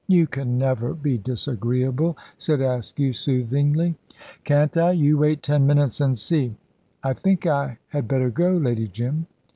"You can never be disagreeable," said Askew, soothingly. "Can't I? You wait ten minutes and see." "I think I had better go, Lady Jim."